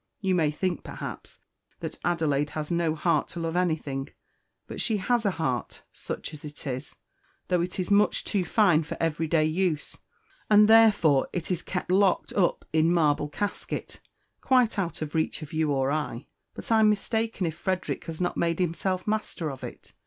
You may think, perhaps, that Adelaide has no heart to love anything; but she has a heart, such as it is, though it is much too fine for every day use, and therefore it is kept locked up in marble casket, quite out of reach of you or I. But I'm mistaken if Frederick has not made himself master of it!